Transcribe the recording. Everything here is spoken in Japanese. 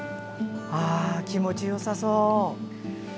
気持ちよさそう。